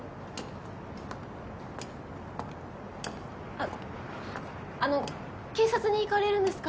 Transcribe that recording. あっあの警察に行かれるんですか？